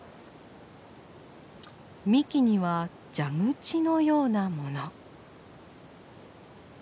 幹には蛇口のようなもの。